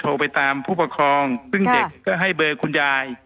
โทรไปตามผู้ปกครองซึ่งเด็กก็ให้เบอร์คุณยาย